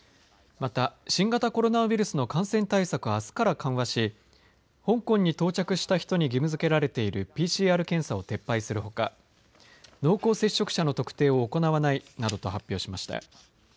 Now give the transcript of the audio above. また新型コロナウイルスの感染対策をあすから緩和し香港に到着した人に義務づけられているＰＣＲ検査を撤廃するほか濃厚接触者の特定を行わないなどと発表しました。